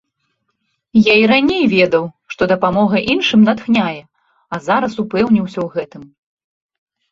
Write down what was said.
Я і раней ведаў, што дапамога іншым натхняе, а зараз упэўніўся ў гэтым.